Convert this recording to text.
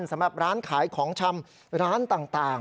สำหรับร้านขายของชำร้านต่าง